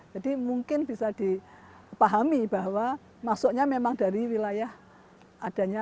jadi mungkin bisa dipahami bahwa masuknya memang dari wilayah adanya